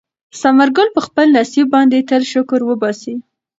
ثمر ګل په خپل نصیب باندې تل شکر وباسي.